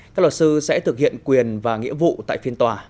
các luật sư sẽ thực hiện quyền và nghĩa vụ tại phiên tòa